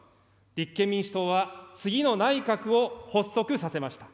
立憲民主党は次の内閣を発足させました。